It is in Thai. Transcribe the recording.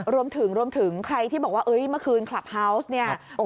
รวมถึงใครที่บอกว่าเฮ้ยเมื่อคืนคลับฮาวส์เนี่ย